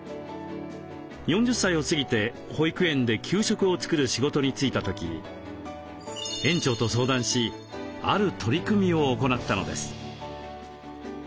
４０歳を過ぎて保育園で給食を作る仕事に就いた時園長と相談しある取り組みを行ったのです。